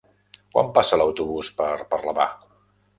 Quan passa l'autobús per Parlavà?